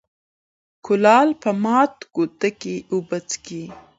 ـ کولال په مات کودي کې اوبه څکي.